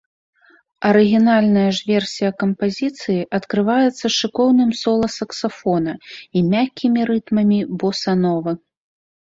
Арыгінальная ж версія кампазіцыі адкрываецца шыкоўным сола саксафона і мяккімі рытмамі боса-новы.